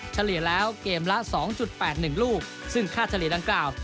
เฉลี่ยแล้วเกมละ๒๘๑ลูกซึ่งค่าเฉลี่ยดังกล่าว